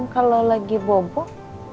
kalau lagi bobok